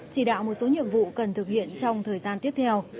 chỉ đạo một số nhiệm vụ cần thực hiện trong thời gian tiếp theo